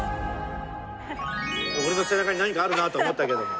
俺の背中に何かあるなと思ったけども。